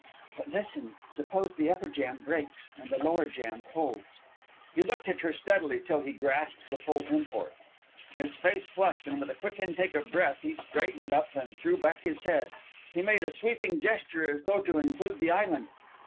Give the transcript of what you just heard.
"But, listen. Suppose the upper jam breaks and the lower jam holds?" He looked at her steadily till he grasped the full import. His face flushed, and with a quick intake of the breath he straightened up and threw back his head. He made a sweeping gesture as though to include the island.